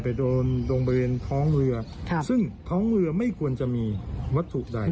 โดนตรงบริเวณท้องเรือซึ่งท้องเรือไม่ควรจะมีวัตถุใด